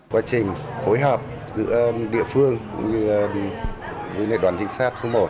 quá trình phối hợp giữa địa phương như đoàn trinh sát thứ một